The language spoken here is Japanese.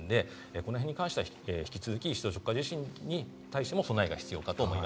この辺に関しては引き続き首都直下地震に対しても備えが必要です。